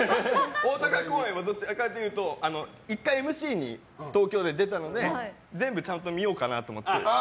大阪公演はどちらかと言ったら１回、ＭＣに東京で出たので全部ちゃんと見ようかなと思って。